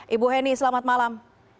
ibu heni selamat malam